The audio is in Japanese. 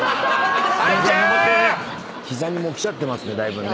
膝にきちゃってますねだいぶね。